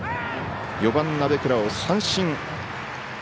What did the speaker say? ４番、鍋倉を三振。